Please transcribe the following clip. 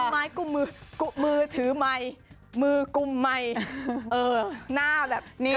มือถือมัยมือกุมมัยหน้าแบบเกรงมาก